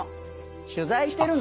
取材してるの！